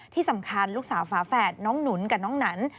ที่สำคัญลูกสาวฝาแฝดน้องหนุนกับน้องหนัน